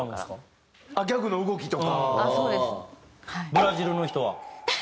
ブラジルの人は？